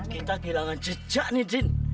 kita kehilangan jejak nih din